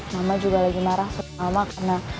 mama juga lagi marah soal alma karena